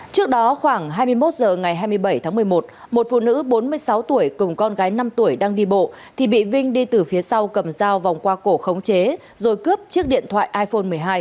trước đó khoảng hai mươi một h ngày hai mươi bảy tháng một mươi một một phụ nữ bốn mươi sáu tuổi cùng con gái năm tuổi đang đi bộ thì bị vinh đi từ phía sau cầm dao vòng qua cổ khống chế rồi cướp chiếc điện thoại iphone một mươi hai